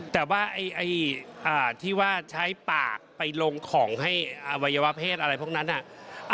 แต่ว่าไอ้ที่ว่าใช้ปากไปลงของให้อวัยวะเพศอะไรพวกนั้น